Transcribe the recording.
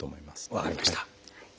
分かりました。